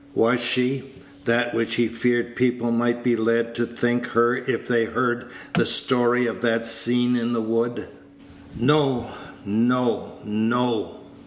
Was she that which he feared people might be led to think her if they heard the story of that scene in the wood? No, no, no!